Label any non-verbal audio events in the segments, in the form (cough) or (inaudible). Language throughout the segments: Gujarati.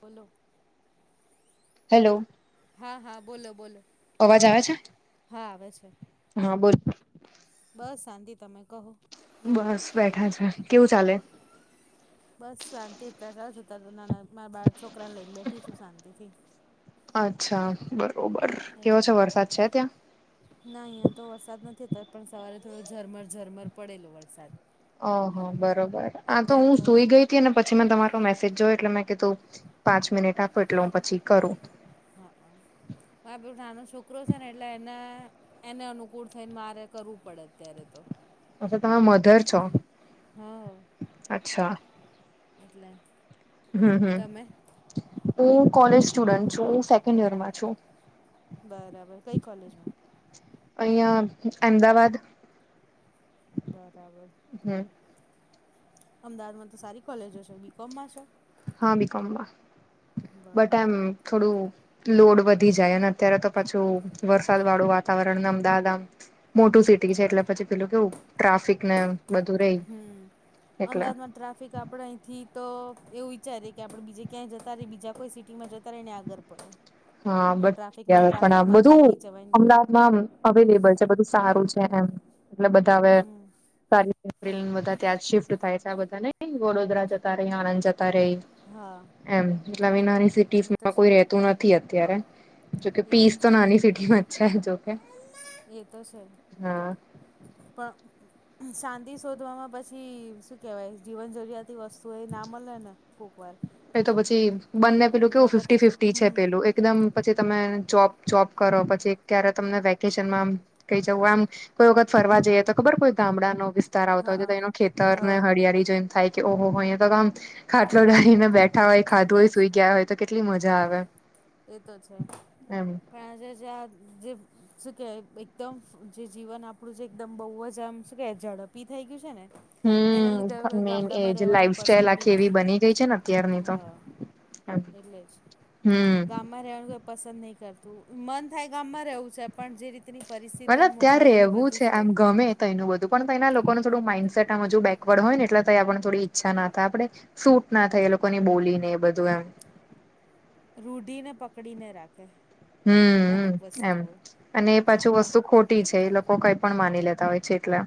બોલો. હેલો. હા, હા, બોલો, બોલો. અવાજ આવે છે? હા, આવે છે. હા, બોલ. બસ, શાંતિ. તમે કહો. બસ બેઠા છે. કેવું ચાલે? બસ, શાંતિ. ત જાજ. નાના બાળ છોકરા ને લઈને બેઠી છું શાંતિથી. અચ્છા, બરોબર. કેવો એટલે છે વરસાદ છે ત્યાં? ના, અહીં તો વરસાદ નથી. તો પણ સવારે થોડો ઝરમર ઝરમર પડેલો વરસાદ. ઓહ હો, બરોબર. આ તો હું સુઈ ગઈ હતી. અને પછી મેં તમારો મેસેજ જોયો, એટલે મેં કી તું. પાંચ મિનિટ હમ આપો, એટલે હું પછી કરું. હા, હ, મારો નાનો છોકરો છે ને, એટલે એના એને અનુકૂળ થઈને મારે કરવું પડે અત્યારે તો. એટલે તમે મધર છો. હા. અચ્છા. એટલે. હમ હમ, તમે? હું કોલેજ સ્ટુડન્ટ છું. સેકન્ડ યરમાં છું. બરાબર. કઈ કોલેજમાં? અહીંયા અહેમદાવાદ. બરાબર. હમ. અમદાવાદમાં તો સારી કોલેજો છે, બી. કોમ. માં છે. હા બીકોમમાં બટ એમ થોડું લોડ વધી જાય અને અત્યારે તો પાછું વરસાદ વાળું વાત. વાતાવરણ ને અમદાવાદ આમ મોટું સિટી છે, એટલે પછી પેલું કેવું ટ્રાફિક ને એમ. બધું રેય. હમ, એટલે અમદાવાદમાં. ટ્રાફિક, આપણે અહીંથી તો એવું વિચારીએ, કે આપણે બીજે ક્યાંય જતા રહી, બીજા કોઈ સિટીમાં જતા રહીને, આગળ. પણણે (unintelligible) (inaudible) હા, બટ પણ બધું જવાય અમદાવાદમાં અવેલેબલ છે. બધું. સારું છે એમ. એટલે બધા હવે. હમ સારી. એપ્રલ બધા ત્યાં શિફ્ટ થાય છે. આ બધા ને વડોદરા જતા રેય, આણંદ જતા રેય. હા. એમ નાની-નાની એ તો સિટીઝમાં છે કોઈ રેતું નથી અત્યારે. જોકે એ પીસ તો છે નાની સિટીમાં છે. જોકે, એ તો છે હા. પણ શાંતિ શોધવામાં, પછી શું કેહેવાય, જીવન જરૂરિયાત. વસ્તુ એ ના મળે ને કોક વાર. એ તો પછી બંને પેલું કેવું પ્રગતિ ફિફ્ટી ક ફિફ્ટી છે હમ પેલું. એકદમ. પછી તમે જોબ જોબ કરો. પછી ક્યારે તમને વેકેશનમાં? કઈ જવું. આમ કોઈ વખત ફરવા જઈએ, તો ખબર કોઈ ગામડાનો. વિસ્તાર આવતા હોય, હા તો એનો ખેતર ને હા હરિયાળી જો. એમ થાય કે, ઓહો હો! અય તો આમ ખાટલો લઈને. બેઠા હોય, ખાધું હોય, સુઈ ગયા હોય, તો કેટલી મજા આવે! એતો છે. એમ પણ આજે જે જે. શું કે, એકદમ જે જીવન આપડું જે એકદમ બહુ જ આમ, શું કે, ઝડપી થઈ ગયું છે ને. એના લીધે હવે હમ કોઈ મેન ગામડામાં એજ રહેવાનું લાઈફ સ્ટાઈલ પસંદ ભી આખી એવી નથી બની ગઈ કરતા. છે ને અત્યારની હ. તો એટલે જ. હમ. માં રહેવાનુંઈ પસંદ નહી કરતું. મન થાય, ગામમાં રહેવું છે. પણ જે રીતની પરિસ્થિતિ મોંઘવારીને બધું છે. તો એનું બધું. પણ તના લોકોનુ થોડું માઈન્ડસેટ આજું બેકવર્ડ હોય ને, એટલે તં આપણ થોડી ઈચ્છા ના થાય આપણે- - સૂટ ના થાય એ લોકોની બોલી ને એ બધું એમ. રૂઢીને પકડીને રાખે હમ અમુક એમ વસ્તુઓ. અને એ પાછું વસ્તુ ખોટી છે એ લોકો કઈ પણ માની લેતા હોય છે એટલા.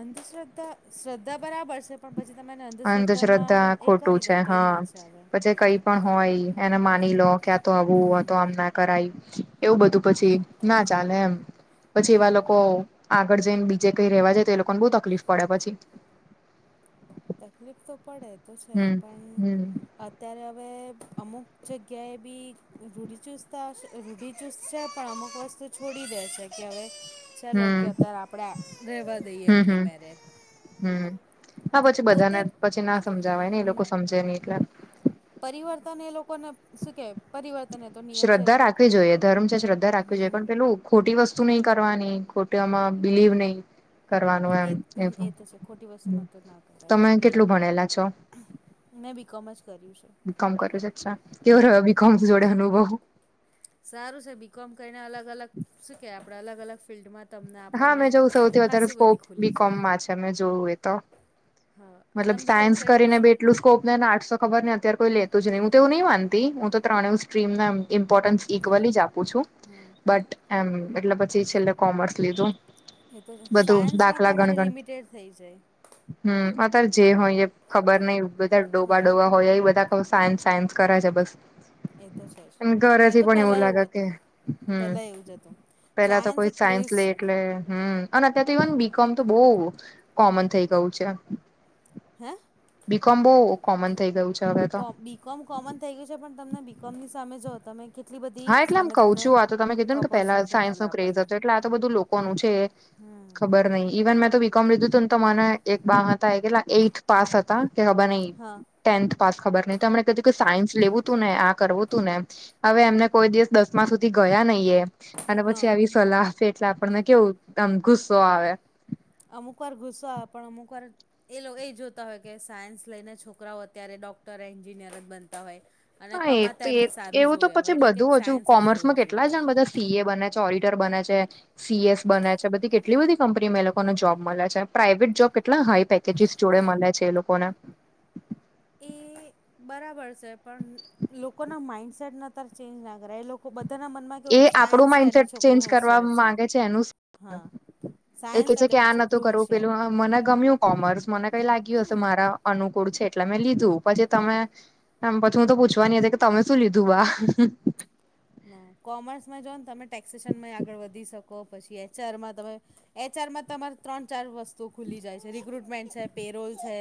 અંધશ્રદ્ધા શ્રદ્ધા બરાબર છે. પણ પછી તમે એને અંધશ્રદ્ધા અંધશ્રદ્ધામાં એ ખોટું કરી દો છે તો એ હા ના ચાલે પછી કઈ પણ હોય એને માની લો. ક્યાં તો આવું તો હમ આમ એવું બધું પછી ના ચાલે એમ પછી એવા હમ લોકો. લોકો આગળ જઈને બીજે કઈ રેવા જાય તો એ લોકો ને બહુ તકલીફ પડે પછી. તકલીફ તો પડે તો છે હમ પણ હમ અત્યારે હવે અમુક જગ્યાએ બી. રૂઢીચુસ્ત રૂઢિચુસ્ છે પણ અમુક વસ્તુ છોડી દે છે કે હવે ચાલ ઓકે હમ અત્યારે આપણે રહેવા દઈએ હમ એમની હમ મેરેજ. હમ હા પછી બધાને પછી ના સમજાવાય ને એ હમ લોકો સમજે નહી એટલા. પરિવર્તન એ લોકોને શું ક. પરિવર્તન એ તો નિયમ છે એ શ્રદ્ધા લોકો રાખવી જોઈએ ધર્મ છે શ્રદ્ધા રાખવી જોઈએ પણ હમ પેલું ખોટી વસ્તુ નહ કરવાની ખોટ આમાં બિલીવ નહી. કરવાનું એમ એ એ એવું તો છે ખોટી વસ્તુમાં તો ના કરાય તમે કેટલું ભણેલા છો? મેં બીકોમ જ કર્યું છે. બીકોમ કરું છ અચ્છા કેવો રહ હમ બીકોમ જોડે અનુભવ? સારું છે બી કોમ કરીહીને અલગ અલગ શું કે આપડે અલગ અલગ ફિલ્ડમાં તમને હા આપણને મે જોવું સૌથી વધારે ખાસી બધી સ્કોપ ખુલી જાય બીકોમમાં છે મે જોવું એ તો. હા મતલબ તમે બીકોમ સાયન્સ કરીને બે પછી એટલું સ્કોપને આર્સો ખબર ને અત્યારે કોઈ લેત જ નહીં હ તો એવું નં માનતી હું તો ત્રણેય સ્ટ્રીમ નામ ઇમ્પોર્ટન્સ ઇક્વલ હમ જ આપું છું હમ બટ એમ એટલે પછી છેલ્લે કોમર્સ લીધું. એ તો છે બધું સાયન્સમાં દાખલા તમારે ગણગણ લિમિટેડ થઈ જાય. હમ અત્યારે જે હોય એ ખબર નહિ બધા ડોબા હા ડોબા હોય એ બધા સાયન્સ સાયન્સ કરાય છે બસ એ તો છે જ એ એ ઘરેથી તો પણ એવું પહેલાં લાગે કે. હતું હમ્મ પહેલાં એવું જ હતું પેલા તો કોઈ એક સાયન્સ ક્રેઝ લે છે એટલે- - હ અને અત્યારે તો ઇવન બીકોમ તો બઉ કોમન થઈ ગયું છે. હે? બીકોમ બહુ કોમન થઈ ગયું છે. હવે તો બીકોમ કોમન થઈ ગયું છે પણ તમને બીકોમ ની સામે જો તમે- - હા એટલે આમ કઉ છું આ તો તમે કીધું ને કે પેલા ઓપોર્ચ્યુનિટી સાયન્સ મળે નો ક્રેઝ આપણને હતો એટલે આ તો બધું લોકોનું છે. હમ ખબર નહી ઇવન મેં તો વી મ લીધું તું ને તો મને એક બા હતા એલા એઈથ પાસ હતા કે ખબર નહ હા ટેન્થ પાસ ખબર ન તોમ ક કે હા સાયન્સ લેવું તું ને આ કરવું તું ને હવે એમને કોઈ દિવસ દસમા સુધી ગયા નહીિ એ અને પછી હા આવી સલાહ છે એટલે આપણને કેવું આમ ગુસ્સો આવે. અમુક વાર ઘુસો પણ અમુક વાર એ લોકો એ જોતા હોય કે સાયન્સ લઈને છોકરાઓ અત્યારે ડોક્ટર એન્જિનિયર જ બનતા હોય. અને હા એ તો કમાતા એ એમને સારું એવું તો જોયા પછી હોય એટલે કે બધું હજુ સાયન્સ જ કોમર્સમાં લેવું કેટલા જોઈએ જણ બધા સી એ બને છે ઓડિટર બને છે. સીએએસ બને્યા છે બધી કેટલી બધી કંપનીમાં એ લોકોને જોબ મળે છે પ્રાઇવેટ જોબ કેટલા હાઈ પેક- - તેજી જોડે મળે છે એ લોકોના એ (inaudible) બરાબર છે પણ લોકોના માઈન્ડસેટ ના ત ચેન્જ ના કરે એ લોકો બધાના મ એ આપણું માઇન્ડસેટ ચેન્જ કરવા મામાંગે છે એનું હા એ સાયન્સ કે છે એટલે કે આ નોતો છોકરું કરવું હોશિયાર પેલું મને ગમ્યું કોમર્સ મને કઈ લાગ્યું હશે હમ મારા અનુકૂળ છે એટલે મેં લીધું પછી તમે આમ પછી હું તો પૂછવાની હતી કે તમે શું લીધું બા ના કોમર્સમાં જો ને તમે ટેક્સેેશનમાં આગળ વધી શકો પછી એચઆરમાં તમે એચઆરમાં તમારે ત્રણ ચાર વસ્તુ ખુલી જાય છે, રિક્રુટમેન્ટ છે, પેરોલ છે,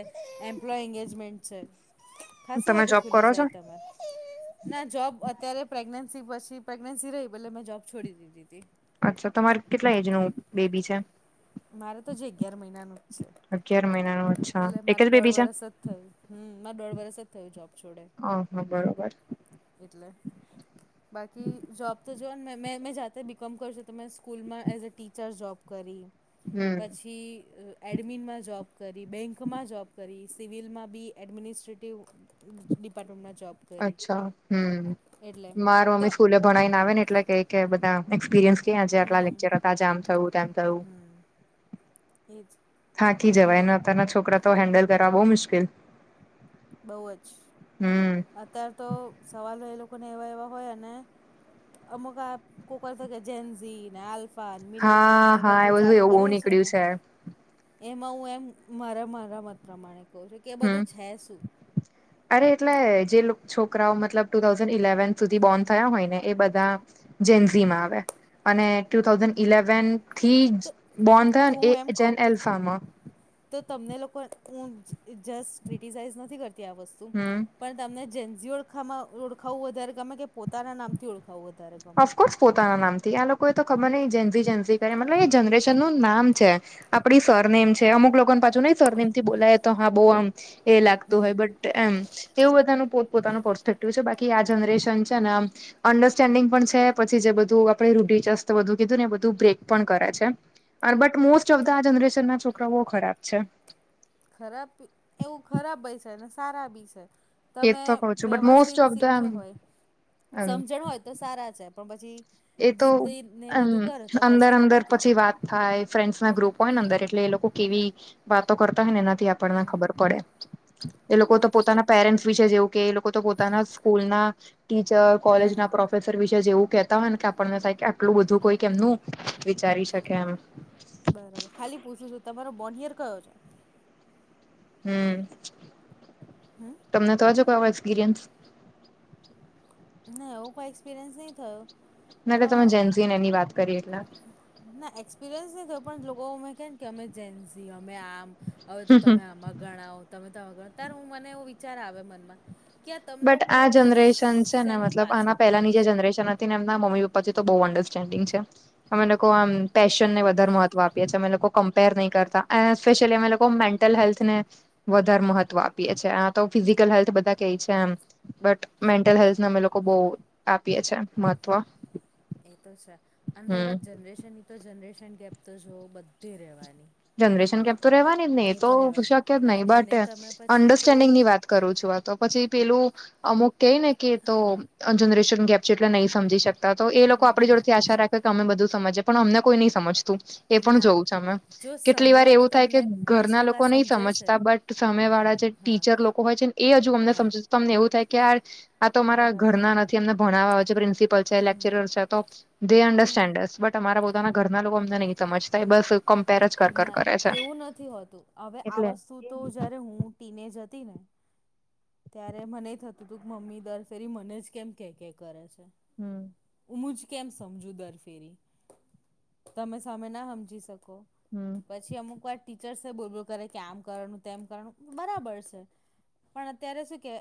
એમ્પ્લોય એંગેજમેન્ટ છે, ખાસું તમે બધું જોબ ખુલી કરો છો જાય તમે ના જોબ અત્યારે પ્રેગ્નેન્સી પછી પ્રેગનન્સી રહી પલે મેં જોબ છોડી દીધી તી અચ્છા તમારે કેટલા એજ નું બેબી છે? મારે તો જે અગિયાર મહિનાનું જ છે. અગિયાર મહિના નું અચ્છા એટલે એક મારે જ દોઢ બેબી છે વરસ જ થયું હમ મારે દોઢ વરસ જ થયું જોબ છોડે હ હા બરોબર એટલે. બાકી જોબ તો જો ને મે મે જાતે બીકોમ કર છું તો સ્કૂલમાં એઝ અ ટીચર જોબ કરી હમ પછી એડમિનમાં જૉબ કરી બેંકમાં જોબ કરી સિવિલમાં બી એડમિનિસ્ટ્રેટિવ ડિપાર્ટમેન્ટના જોબ કરી અચ્છા હમ એટલે માર દ મમ્મી સ્કૂલે ભણાવને આવે ને એટલે કઈ કે બધા એક્સપિરિયન્સ કે આજે આટલા હમ લેક્ચર હતા આમ થવું તેમ થયું હમ એ જ થાંકી જવાય અને અતારના છોકરા તો હેન્ડલ કરવા બો મુશ્કેલ બોવ જ હમ. અત્યાર તો સવાલો એ લોકોને એવા એવા હોય અને અમુકા કોક છે, કે જેન્ઝીન આલ પા મિલેનિયન્સ હા એ હા બધું ચાલુ એવું બહુ કરે છે, નીકળ્યું ને એમાં હું એમ મારા મારા મત પ્રમાણે કહ છું કે એ હમ બધું છે, શું અરે એટલે જે છોકરાઓ મતલબ ટુ થાઉજન ઇલેવન સુધી બોર્ન થયા હોય ને એ બધા જેનઝીમાં આવે અને ટુ થાઉઝન્ડ ઇલેવનથી તો બોન થયો તો ને હું એમ એ કહું જેન એલ્ફામાં તો તમને લોકો હું જસ્ટ ક્રિટિસાઈઝ નથી કરતી આ વસ્તુ હમ પણ તમને જેન્જી ઓળખ ઓળખાવું વધારે ગમે કે પોતાના નામથી ઓળખાવું વધારે ગમે ઓફકોર્સ પોતાના નામથી આ લોકો એ તો ખબર નય જેઝન્સી જેઝન્સી કરે મતલબ એ જનરેશન નું નામ છે. આપણી સરનેમ છે, અમુક લોકોને પાછું નહી સરનેમ થી બોલાય તો હા બો આમ એ લાગતું હમ હોય બટ એમ કેવું બધાનું પોત પોતાનું પર્સ્પેક્ટિવ છે, બાકી આ જનરેશન છે, ને આમ અન્ડરસ્ટેન્ડિંગ પણ છે, પછી જે બધું આપડે રૂઢિ ચસ્ત બધું કીધું ને એ બધું બ્રેક પણ કરે છે. અર બટ મોસ્ટ ઓફ ધ આ જનરેશન ના છોકરાઓ ખરાબ છે. ખરાબ એવું ખરાબ બય છે, અને સારા બી છે. એ તમે તો કઉ છું બટ મોસ્ટ વ્યવસ્થિત ઓફ ધ શીખ્યા એમ હોય સમજણ હોય તો સારા છે, પણ પછી એ તો જીદને એમ બધું કરો તો અંદર પછી તો અંદર પતી પછી ગયું વાત થાય ફ્રેન્ડસના ગ્રુપ હોય ને અંદર હમ એટલે એ લોકો કેવી વાતો કરતા હોય ને એનાથી આપણને ખબર હમ પડે એ લોકો તો પોતાના પેરેન્ટસ વિશે જેવું કે લો કો પોતાના સ્કૂલ ના ટીચર હમ કોલેજના પ્રોફેસર વિશે જેવું કે તા હોય ને કે આપણને થાય કે આટલું બધું કોઈક એમનું વિચારી શકે એમ બરાબર ખાલી પૂછું છું તમારો બોંડિયર કયો છે? હમ હમ તમને તોજો કો એક્સપિરિયન્સ ના એવું કોઈ એક્સપિરિયન્સ નહી થયો (unintelligible) તમે પણ જેન્સીન એની વાત કરી એટલે ના એક્સપિરિયન્સ નહી થયો પણ લોકો અમે કે કે અમે જેન્સી અમે આમ અવે તો તમે આમાં ગણાવ તમે તો ગણ ત્યારે હું મને એવ વિચાર આવે મનમાં કે આ તમે બટ લોકો આ જનરેશન છે, ને શેની મતલબ આના પાછળ પડો પહેલાની જે છો જનરેશન હ તી એમના મમ્મી પપ્પા જે તો બો અંડરસ્ટેન્ડિંગ છે, અમે લોકો આમ પેશનને વધારે મહત્વ આપએ છે અમે લોકો કમ્પેર નહીં કરતા સ્પેશિયલી અમે લોકો મેન્ટલ હેલ્થને વધાર મહત્વ આપીએ છે આ તો ફિઝિકલ હેલ્થ બધા કે છે કેમ બટ હમ મેન્ટલ હેલ્થને અમે લોકો બઉ આપીએે છે મહત્વ એ તો છે અને રહી હમ વાત જનરેશન ની તો જનરેશન ગેપ તો જો બધે રહેવાની જનરેશન કેપ તો રેવાની જ ને એ તો શક્ય રહેવાની જ હવે નહી એને બટ તમે પછી કોઈ અન્ડરસ્ટેન્ડિંગની વાત કરું છું તો પછી પેલું અમુક કેઈ ને કે તો હા જનરેશન ગેપ છે એટલે નહીં સમજી શકતા તો એ લોકો આપડી ના જોડેથી આશા રાખે અમે બધું સમજ પણ અમને કોઈ નહી સમજતું એ પણ ના જોયું છે અમે જો એટલી વાર સામેવાળું એવું થાય કે તમને પાંચ ઘરના ટકા લોકો નહીં સમજે છે સમજતા બટ સામેવાળા જે હા ટીચર લોકો હોય છેને એ હજુ અમને હા સમજ તમને એવું થાય કે યાર આ તો અમારા બરાબર ઘરના જે અમને ભણવા આવે છે પ્રિન્સપલ છે લેક્ચર (unintelligible) તો (unintelligible) તમારા પોતાના ઘરના લોકો અમને નહી સમજતા બસ કમ્પેર જ કર કર ના કરે છે એવું નથી હોતું હવે આ એટલે વસ્તુ તો જયારે હું ટીનેજ હતી ને ત્યારે મને થતું હતું કે મમ્મી દર ફેરી મને જ કેમ કેય કેય કરે છે હમ હું જ કેમ સમજુ દર ફેરી તમે સામે ના હમજી શકો હમ પછી અમુક વાર ટીચર્સે બોલ બોલ કરે કે આમ કરવાનું તેમ કરવાનું બરાબર છે ત્યારે છે કે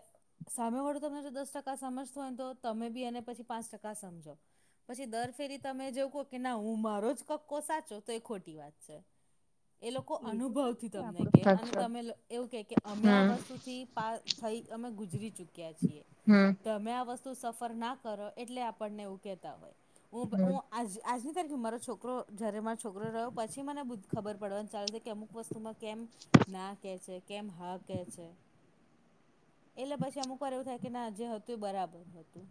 સામેવાળું તમને જો દસ ટકા સમજતું હોય ને તો તમે બી એને પછી પાંચ ટકા સમજો પછી દર ફેરી તમે જેવું કહો કે ના હું મારો જ કકો સાચો તો એ ખોટી વાત છે (inaudible) એ લોકો એવું તો અનુભવથી નથી તમને કે આપડો અને અચ્છા તમે એવું કે કે અમે આ હમ વસ્તુથી પા થઈ અમે ગુજરી ચુક્યા છીએ હમ ત અમે આ વસ સફર ના કરે એટલે આપણને એવું કેતા હોય હમ (unintelligible) આજ આજની તારીખે મારો છોકરો જ્યારે મારો છોકરો રહ્યો પછી મને બધું ખબર પડવાની ચાલે છે કે અમુક વસ્તુમાં કેમ ના કે છે કેમ હા કે છે એટલે પછી અમુક વાર એવું થાય કે ના જે હતું એ બરાબર હતું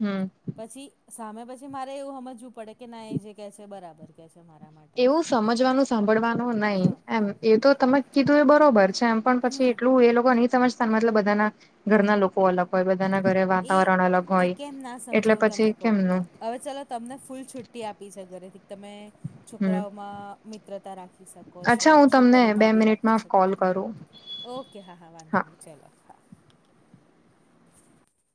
હમ પછી સામે પછી મારે એવું સમજવું પડે કે ના એ જે કહે છે બરાબર કે છે મારા મા એવું સમજવાનું સાંભળવાનું નહી હા એમ એ તો તમે કીધું એ બરોબર છે એમ પણ પછી હમ એટલું એ લોકો નહી સમજતા મતલબ બધાના ઘરના લોકો અલગ હોય બધા ના ઘરે એ વાતાવરણ અલગ એ હોય કેમ ના એટલે સમજાવ પછી તમને કહું કેમનું હવે ચાલો તમને ફૂલ છુટ્ટી આપી છે ઘરેથી તમે હમ છોકરાઓમાં મિત્રતા રાખી શકો છો અચ્છા હું તમને બે છોકરીઓમાં બી રાખી મિનિટમાં શકો કોલ છો કરું ઓકે હા હા વાંધો નહી ચલો હા (inaudible)